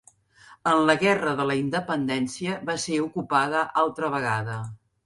En la Guerra de la Independència va ser ocupada altra vegada.